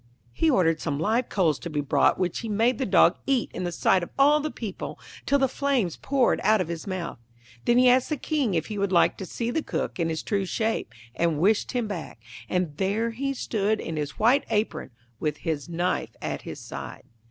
He ordered some live coals to be brought, which he made the dog eat in the sight of all the people till the flames poured out of his mouth. Then he asked the King if he would like to see the Cook in his true shape, and wished him back, and there he stood in his white apron, with his knife at his side.